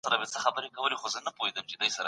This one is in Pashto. علم پر طبيعت د واکمنو قوانينو پېژندنه ده.